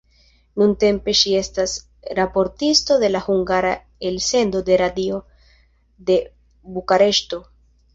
Nuntempe ŝi estas raportisto de la hungara elsendo de radio de Bukareŝto.